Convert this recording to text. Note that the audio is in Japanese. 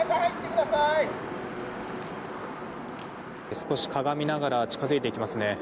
少しかがみながら近づいていきますね。